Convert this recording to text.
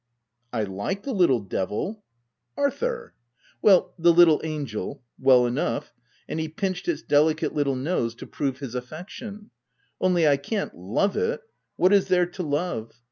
" I like the little devil—" " Arthur !"" Well, the little angel— well enough," and he pinched its delicate little nose to prove his affection, " only I can't love it — what is there to love